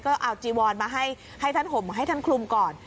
ก็เอาจีวอนมาให้ท่านห่มให้ท่านคลุมก่อน